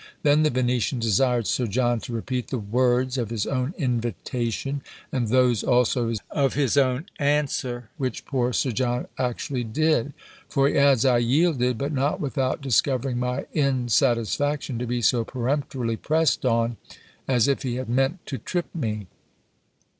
Then the Venetian desired Sir John to repeat the words of his own invitation, and those also of his own answer! which poor Sir John actually did! For he adds, "I yielded, but not without discovering my insatisfaction to be so peremptorily pressed on, as if he had meant to trip me."